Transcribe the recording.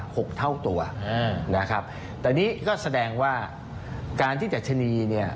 หกเท่าตัวอ่านะครับแต่นี่ก็แสดงว่าการที่ดัชนีเนี่ย